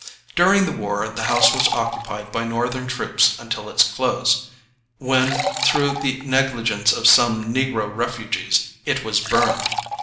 During the war the house was occupied by Northern troops until its close, when, through the negligence of some negro refugees, it was burned.